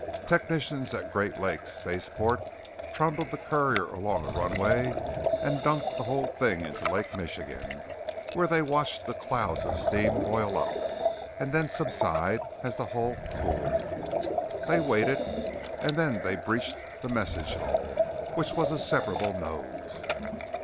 Technicians at Great Lakes Spaceport trundled the courier along a runway and dunked the whole thing into Lake Michigan where they watched the clouds of steam boil up and then subside as the hull cooled. They waited, and then they breached the message hull, which was a separable nose.